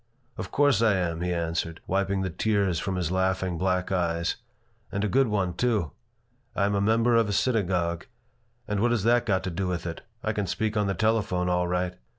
"Of course I am," he answered, wiping the tears from his laughing black eyes. "And a good one, too. I am a member of a synagogue. But what has that got to do with it? I can speak on the telephone, all right."